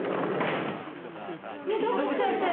溝口先生！